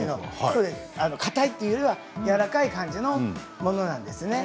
かたいというよりはやわらかいものなんですね。